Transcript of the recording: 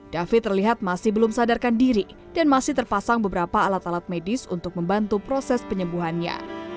david terlihat masih belum sadarkan diri dan masih terpasang beberapa alat alat medis untuk membantu proses penyembuhannya